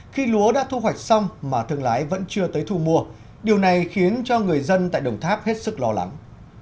khi lúa đã thu hoạch xong mà thương lái vẫn chưa tới thu mua điều này khiến cho người dân tại đồng tháp hết sức lo lắng